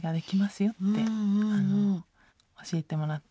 よって教えてもらって。